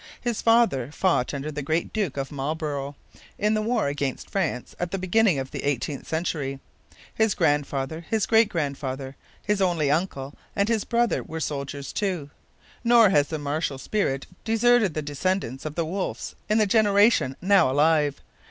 His father fought under the great Duke of Marlborough in the war against France at the beginning of the eighteenth century. His grandfather, his great grandfather, his only uncle, and his only brother were soldiers too. Nor has the martial spirit deserted the descendants of the Wolfes in the generation now alive.